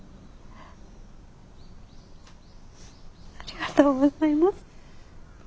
ありがとうございます。